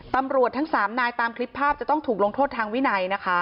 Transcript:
ตำรวจทั้ง๓นายตามคลิปภาพจะต้องถูกลงโทษทางวินัยนะคะ